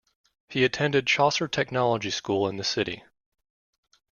He attended Chaucer Technology School in the city.